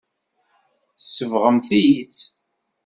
Tsebɣemt-iyi-tt.